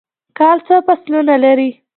کال څو فصلونه لري؟